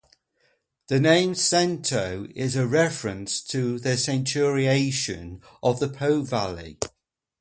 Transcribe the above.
The name Cento is a reference to the centuriation of the Po Valley.